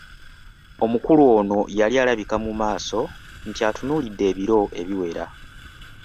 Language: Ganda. Omukulu ono yali alabika ku maaso nti atunuulidde ebiro ebiwera.